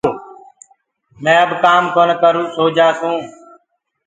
مين اب ڪآم ڪونآ ڪرسون سو جآسون